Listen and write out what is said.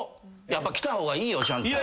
やっぱ来た方がいいよちゃんと。